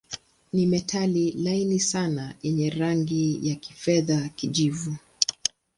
Ni metali laini sana yenye rangi ya kifedha-kijivu.